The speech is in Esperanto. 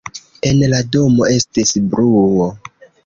En la domo estis bruo.